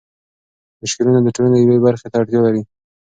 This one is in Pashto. مشکلونه د ټولنې یوې برخې ته اړتيا لري.